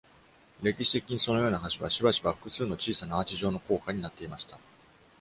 歴史的に、そのような橋はしばしば複数の小さなアーチ状の高架になっていました。